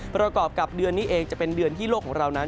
ประกอบกับเดือนนี้เองจะเป็นเดือนที่โลกของเรานั้น